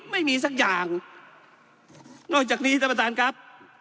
ไม่มีสักอย่างนอกจากนี้ท่านประธานครับ